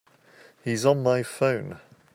He's on my phone.